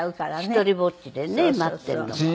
独りぼっちでね待ってるのが。